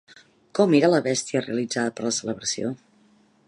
Com era la bèstia realitzada per la celebració?